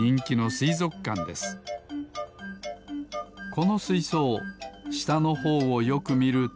このすいそうしたのほうをよくみると。